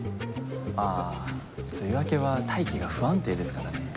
ああ梅雨明けは大気が不安定ですからね。